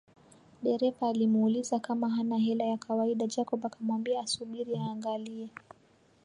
Dereva alimuuliza kama hana hela ya kawaida Jacob akamwambia asubiri aangalie